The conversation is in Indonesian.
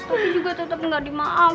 tapi juga tetep gak dimaafin